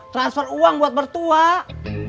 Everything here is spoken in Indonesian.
transfer uang buat bertuah